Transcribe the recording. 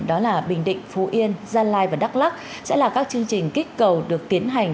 đó là bình định phú yên gia lai và đắk lắc sẽ là các chương trình kích cầu được tiến hành